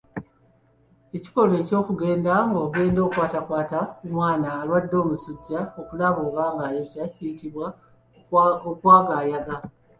Ekikolwa eky'okugenda ng'ogenda okwatakwata ku mwana alwadde omusujja okulaba oba ng'ayokya kiyitibwa okwagaayaga.